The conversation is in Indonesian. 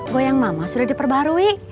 goyang mama sudah diperbarui